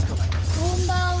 こんばんは。